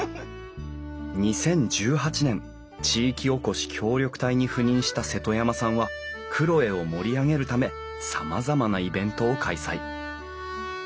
２０１８年地域おこし協力隊に赴任した瀬戸山さんは黒江を盛り上げるためさまざまなイベントを開催。